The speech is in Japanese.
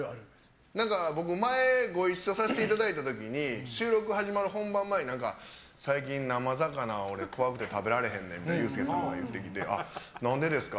何か僕前ご一緒させていただいた時に収録始まる本番前に最近、生魚怖くて食べられへんねんってユースケさんが言うてきて何でですか？